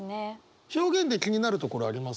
表現で気になるところあります？